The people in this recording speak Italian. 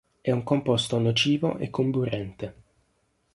È un composto nocivo e comburente.